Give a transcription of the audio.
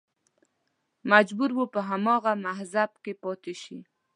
مجبور و په هماغه مذهب کې پاتې شي